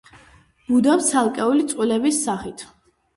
ბუდობს ცალკეული წყვილების სახით.